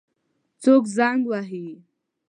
څوک زنګ وهي؟